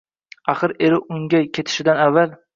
Axir, eri unga ketishidan avval